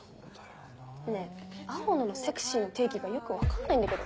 ねぇ青野のセクシーの定義がよく分かんないんだけど。